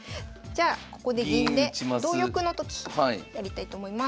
じゃあここで銀で同玉のときやりたいと思います。